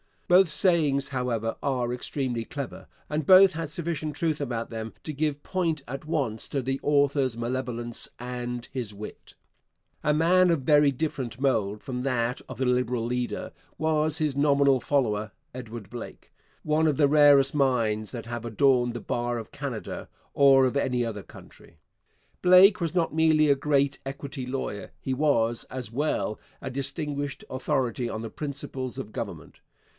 Both sayings, however, are extremely clever, and both had sufficient truth about them to give point at once to the author's malevolence and to his wit. A man of very different mould from that of the Liberal leader was his nominal follower Edward Blake, one of the rarest minds that have adorned the bar of Canada or of any other country. Blake was not merely a great equity lawyer; he was, as well, a distinguished authority on the principles of government.